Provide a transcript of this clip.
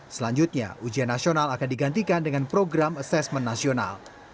selanjutnya ujian nasional akan digantikan dengan program asesmen nasional